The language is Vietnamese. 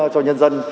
cho nhân dân